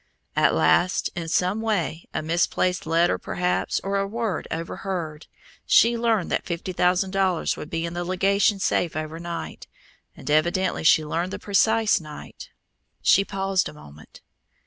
"At last, in some way a misplaced letter, perhaps, or a word overheard she learned that fifty thousand dollars would be in the legation safe overnight, and evidently she learned the precise night." She paused a moment.